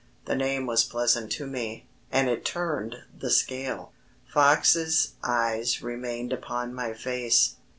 The name was pleasant to me, and it turned the scale. Fox's eyes remained upon my face.